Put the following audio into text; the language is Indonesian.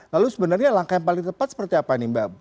lalu sebenarnya langkah yang paling tepat seperti apa nih mbak